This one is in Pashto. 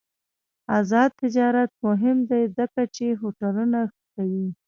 آزاد تجارت مهم دی ځکه چې هوټلونه ښه کوي.